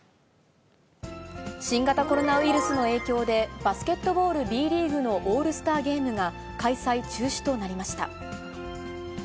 新型コロナウイルスの影響で、バスケットボールＢリーグのオールスターゲームが、開催中止となりました。